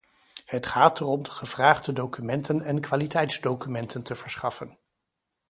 Het gaat erom de gevraagde documenten en kwaliteitsdocumenten te verschaffen.